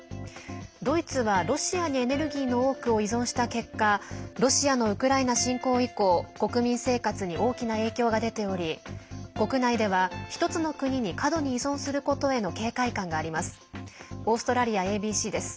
ドイツはロシアにエネルギーの多くを依存した結果ロシアのウクライナ侵攻以降国民生活に大きな影響が出ており国内では１つの国に過度に依存することへの警戒感があります。